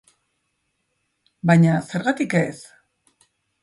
Baina, zergatik ez?